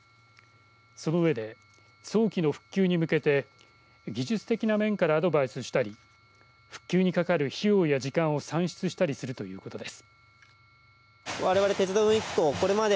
そのうえで早期の復旧に向けて技術的な面からアドバイスしたり復旧にかかる費用や時間を算出したりするということです。